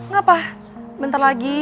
gapah bentar lagi